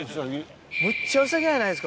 むっちゃウサギやないですか。